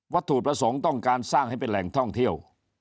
ถูกประสงค์ต้องการสร้างให้เป็นแหล่งท่องเที่ยว